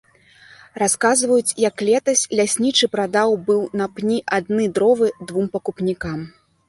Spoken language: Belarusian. Расказваюць, як летась ляснічы прадаў быў на пні адны дровы двум пакупнікам.